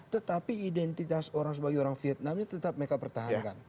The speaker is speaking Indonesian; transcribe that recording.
tetapi identitas orang sebagai orang vietnamnya tetap mereka pertahankan